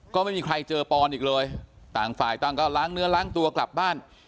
ก็ไม่มีใครเจอปอนอีกเลยต่างฝ่ายต่างก็ล้างเนื้อล้างตัวกลับบ้าน